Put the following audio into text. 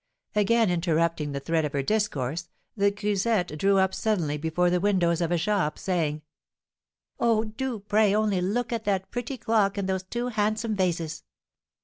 Again interrupting the thread of her discourse, the grisette drew up suddenly before the windows of a shop, saying, "Oh, do pray only look at that pretty clock and those two handsome vases!